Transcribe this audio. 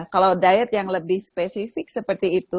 kalau diet yang lebih spesifik seperti itu